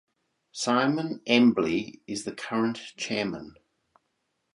Simon Embley is the current Chairman.